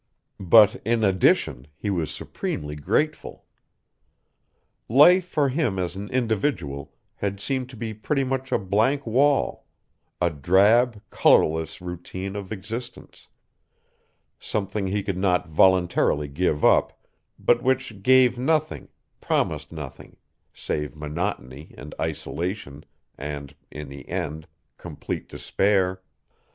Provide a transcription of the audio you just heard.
But, in addition, he was supremely grateful. Life for him as an individual had seemed to be pretty much a blank wall, a drab, colorless routine of existence; something he could not voluntarily give up, but which gave nothing, promised nothing, save monotony and isolation and, in the end, complete despair.